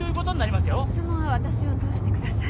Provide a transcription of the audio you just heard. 質問は私を通して下さい。